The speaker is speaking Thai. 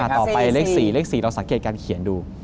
ต่อไปเลข๔เลข๔เราสังเกตการเขียนดู